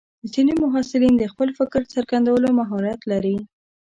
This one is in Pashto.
ځینې محصلین د خپل فکر څرګندولو مهارت لري.